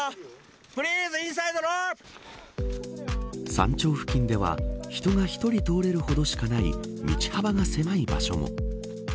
山頂付近では人が１人通れるほどしかない道幅が狭い場所も。